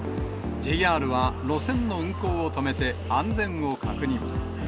ＪＲは路線の運行を止めて安全を確認。